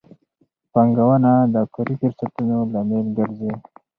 پانګونه د کاري فرصتونو لامل ګرځي.